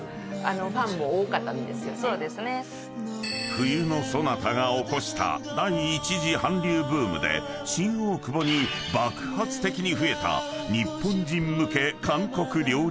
［『冬のソナタ』が起こした第１次韓流ブームで新大久保に爆発的に］